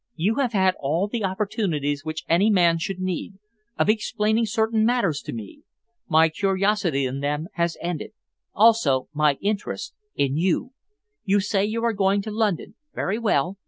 "You have had all the opportunities which any man should need, of explaining certain matters to me. My curiosity in them has ended; also my interest in you. You say you are going to London. Very well.